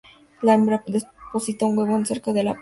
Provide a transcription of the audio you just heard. La hembra deposita un huevo en o cerca de la presa.